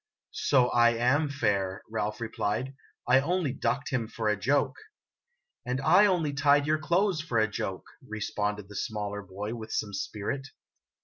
" So I am fair," Ralph replied. " I only ducked him for a joke." " And I only tied your clothes for a joke," responded the smaller boy, with some spirit.